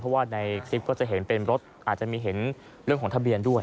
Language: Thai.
เพราะว่าในคลิปก็จะเห็นเป็นรถอาจจะมีเห็นเรื่องของทะเบียนด้วย